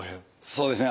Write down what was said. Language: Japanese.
そうですね。